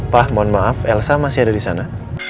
pak mohon maaf elsa masih ada di sana